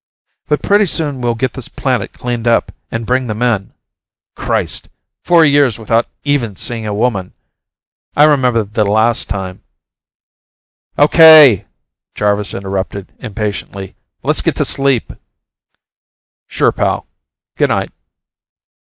"But pretty soon we'll get this planet cleaned up and bring them in. Christ! Four years without even seeing a woman. I remember the last time " "Okay!" Jarvis interrupted impatiently. "Let's get to sleep." "Sure, pal. Goodnight."